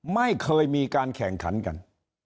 ไม่เคยมีการแข่งขันกัน